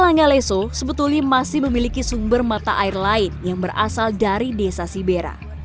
langaleso sebetulnya masih memiliki sumber mata air lain yang berasal dari desa sibera